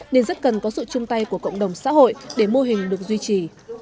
nên rất cần có sự chung tay của cộng đồng xã hội để mô hình được duy trì